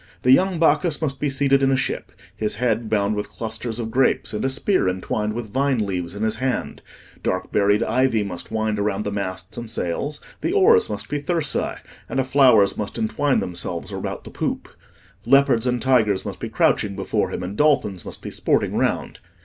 The young Bacchus must be seated in a ship, his head bound with clusters of grapes, and a spear entwined with vine leaves in his hand: dark berried ivy must wind about the masts and sails, the oars must be thyrsi, and flowers must wreathe themselves about the poop; leopards and tigers must be crouching before him, and dolphins must be sporting round.